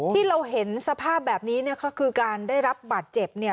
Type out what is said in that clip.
ที่เราเห็นสภาพแบบนี้เนี่ยก็คือการได้รับบาดเจ็บเนี่ย